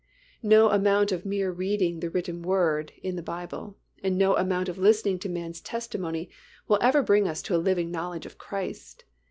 No amount of mere reading the written Word (in the Bible) and no amount of listening to man's testimony will ever bring us to a living knowledge of Christ.